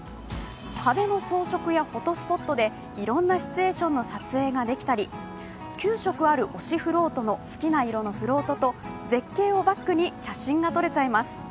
壁の装飾やフォトスポットでいろんなシチュエーションの撮影ができたり９色ある推しフロートの好きな色のフロートと一緒に絶景をバックに写真が撮れちゃいます。